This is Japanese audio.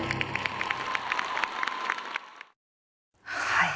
はい。